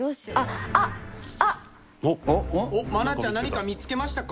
愛菜ちゃん何か見付けましたか？